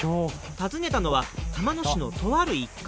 訪ねたのは玉野市のとある一角。